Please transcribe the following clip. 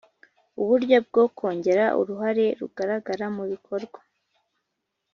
Uburyo bwo kongera uruhare rugaragara mu bikorwa